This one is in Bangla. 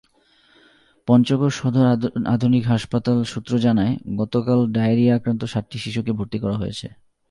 পঞ্চগড় সদর আধুনিক হাসপাতাল সূত্র জানায়, গতকাল ডায়রিয়া-আক্রান্ত সাতটি শিশুকে ভর্তি করা হয়েছে।